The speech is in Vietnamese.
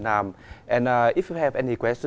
và anh có